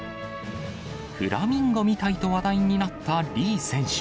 フラミンゴみたいと話題になった李選手。